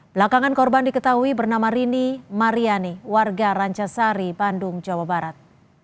belakangan korban diketahui bernama rini mariani warga rancasari bandung jawa barat